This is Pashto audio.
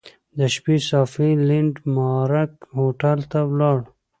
د شپې صافي لینډ مارک هوټل ته ولاړو.